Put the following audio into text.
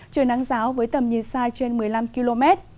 trời nắng giáo với tầm nhìn xa trên một mươi năm km